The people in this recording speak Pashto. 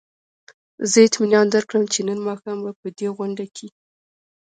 زه اطمینان درکړم چې نن ماښام به په دې غونډه کې.